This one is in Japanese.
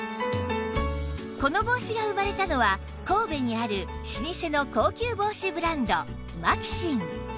この帽子が生まれたのは神戸にある老舗の高級帽子ブランドマキシン